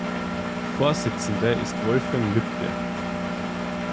Vorsitzende ist Wolfgang Lübke.